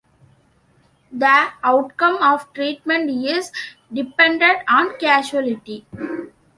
The outcome of treatment is dependent on causality.